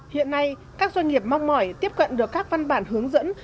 hiện nay các doanh nghiệp mong mỏi tiếp cận được các văn bản hướng dẫn